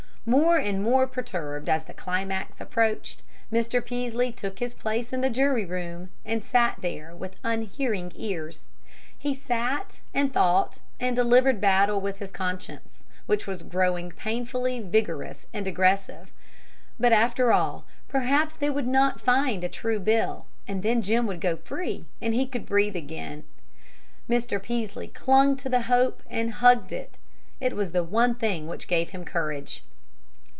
More and more perturbed, as the climax approached, Mr. Peaslee took his place in the jury room, and sat there with unhearing ears. He sat and thought and delivered battle with his conscience, which was growing painfully vigorous and aggressive. But, after all, perhaps they would not find a true bill, and then Jim would go free, and he could breathe again. Mr. Peaslee clung to the hope, and hugged it. It was the one thing which gave him courage.